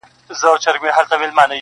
د قدرت گيند چي به خوشي پر ميدان سو،